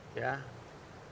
dan menjadilah petarung petarung